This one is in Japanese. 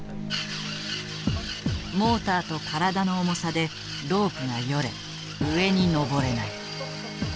モーターと体の重さでロープがよれ上に登れない。